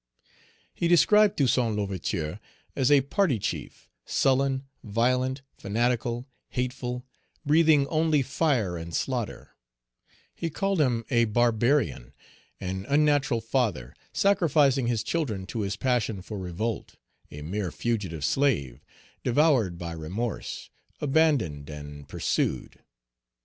He described Toussaint L'Ouverture as a party chief, sullen, violent, fanatical, hateful, breathing only fire and slaughter; he called him a barbarian, an unnatural father, sacrificing his children to his passion for revolt, a mere fugitive slave, devoured by remorse, abandoned, and pursued.